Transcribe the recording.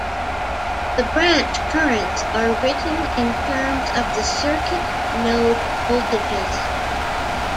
The branch currents are written in terms of the circuit node voltages.